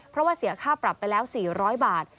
เพราะว่าเสียค่าปรับไปแล้ว๔๐๐บาท